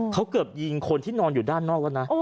เขาเกือบยิงคนที่นอนอยู่ด้านนอกแล้วนะ